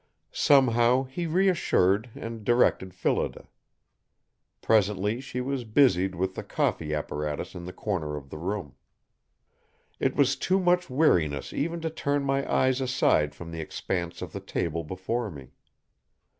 Somehow he reassured and directed Phillida. Presently she was busied with the coffee apparatus in the corner of the room. It was too much weariness even to turn my eyes aside from the expanse of the table before me.